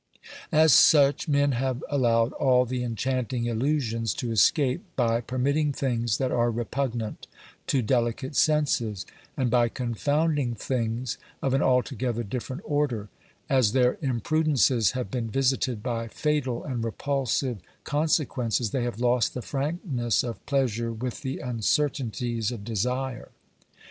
As such men have allowed all the enchanting illusions to escape by permitting things that are repugnant to delicate senses, and by confounding things of an altogether different order; as their imprudences have been visited by fatal and repulsive consequences, they have lost the frankness of pleasure with OBERMANN 221 the uncertainties of desire.